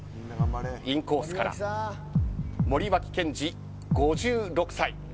インコースから森脇健児、５６歳。